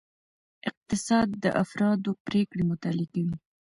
اقتصاد د افرادو پریکړې مطالعه کوي.